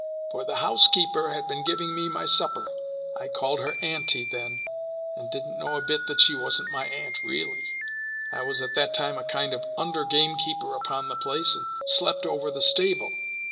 For the housekeeper had been giving me my supper. I called her auntie, then; and didn't know a bit that she wasn't my aunt really. I was at that time a kind of a under gamekeeper upon the place, and slept over the stable.